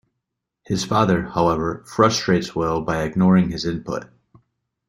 His father, however, frustrates Will by ignoring his input.